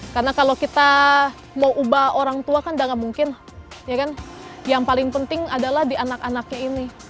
karena kalau kita mau ubah orang tua kan udah gak mungkin yang paling penting adalah di anak anaknya ini